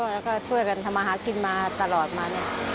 แล้วก็ช่วยกันทำมาหากินมาตลอดมาเนี่ย